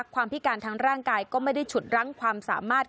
พิการทางร่างกายก็ไม่ได้ฉุดรั้งความสามารถ